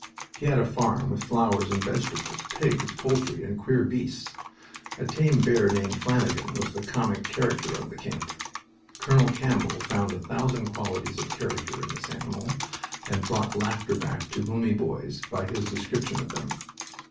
He had a farm, with flowers and vegetables, pigs, poultry, and queer beasts. A tame bear named Flanagan was the comic character of the camp. Colonel Campbell found a thousand qualities of character in this animal, and brought laughter back to gloomy boys by his description of them.